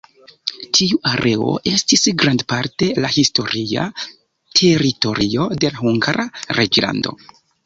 Tiu areo estis grandparte la historia teritorio de la Hungara Reĝlando.